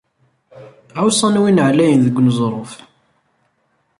Ɛuṣan Win Ɛlayen deg uneẓruf.